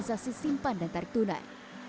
dan menjaga kemampuan